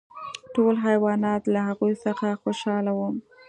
ټول حیوانات له هغوی څخه خوشحاله وو.